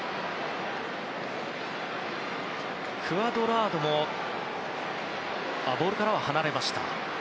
クアドラードはボールから離れました。